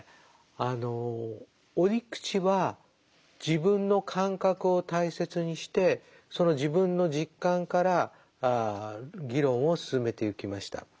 あの折口は自分の感覚を大切にしてその自分の実感から議論を進めてゆきました。